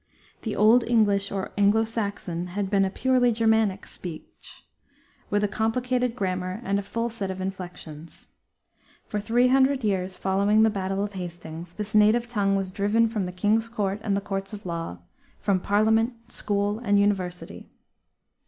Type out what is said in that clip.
The old English or Anglo Saxon had been a purely Germanic speech, with a complicated grammar and a full set of inflections. For three hundred years following the battle of Hastings this native tongue was driven from the king's court and the courts of law, from parliament, school, and university.